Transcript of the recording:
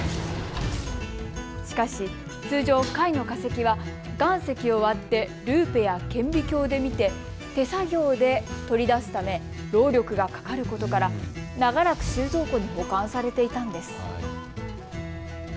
しかし、通常、貝の化石は岩石を割ってルーペや顕微鏡で見て、手作業で取り出すため労力がかかることから長らく収蔵庫に保管されていたんです。